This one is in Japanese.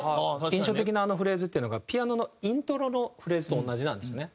印象的なあのフレーズっていうのがピアノのイントロのフレーズと同じなんですよね。